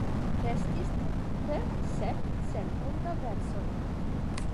Restis ne tute sep centoj da versoj.